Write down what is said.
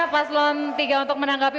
paslon tiga untuk menanggapi